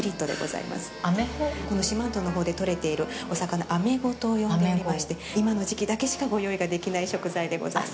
この四万十のほうでとれているお魚、「アメゴ」と呼んでおりまして、今の時期だけしかご用意ができない食材でございます。